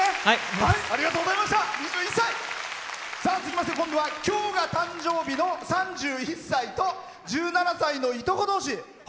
続きまして今日が誕生日の３１歳と１７歳の、いとこ同士。